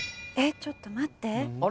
ちょっと待って。